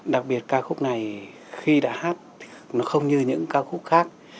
đặc biệt ca khúc này khi đã hát nó không như những ca khúc khác